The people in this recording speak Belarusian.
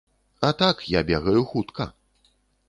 А так, я бегаю хутка.